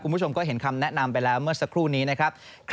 คุณผู้ชมก็เห็นคำแนะนำไปแล้วเมื่อสักครู่นี้นะครับ